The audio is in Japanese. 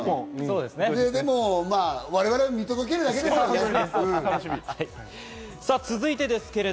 我々は見届けるだけですから。